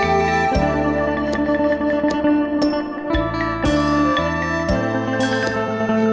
เกี่ยวว่านี้คือสิ่งที่สุดท้ายสินะครับ